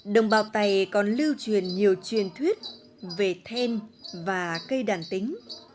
đồng bào tày còn lưu truyền nhiều truyền thuyết về then và cây đàn tính